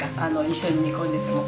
一緒に煮込んでても。